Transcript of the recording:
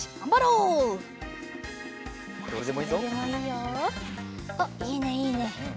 おっいいねいいね。